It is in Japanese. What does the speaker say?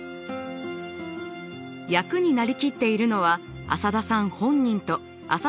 役になりきっているのは浅田さん本人と浅田さんの家族。